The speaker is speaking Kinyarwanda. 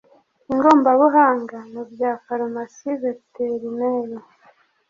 ingombabuhanga mu bya farumasi veterineri